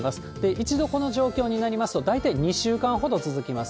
一度この状況になりますと、大体２週間ほど続きます。